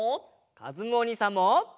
かずむおにいさんも！